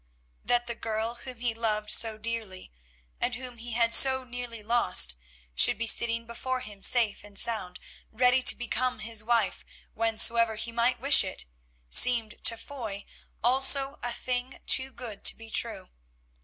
That the girl whom he loved so dearly, and whom he had so nearly lost, should be sitting before him safe and sound, ready to become his wife whensoever he might wish it, seemed to Foy also a thing too good to be true.